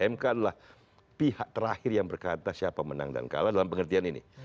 mk adalah pihak terakhir yang berkata siapa menang dan kalah dalam pengertian ini